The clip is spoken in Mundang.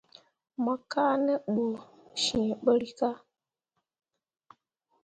Mo kaa ne ɓu cee ɓǝrrikah.